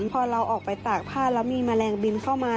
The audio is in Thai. พอเราออกไปตากผ้าแล้วมีแมลงบินเข้ามา